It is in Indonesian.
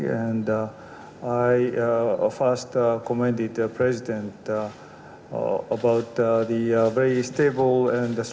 saya terima presiden tentang kondisi makroekonomi yang sangat stabil dan kuat